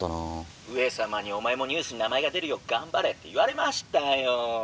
「上様にお前もニュースに名前が出るよう頑張れって言われましたよ」。